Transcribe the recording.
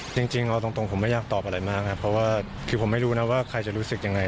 จริงเอาตรงผมไม่อยากตอบอะไรมากครับเพราะว่าคือผมไม่รู้นะว่าใครจะรู้สึกยังไง